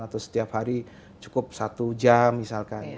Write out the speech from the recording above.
atau setiap hari cukup satu jam misalkan